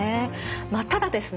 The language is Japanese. まあただですね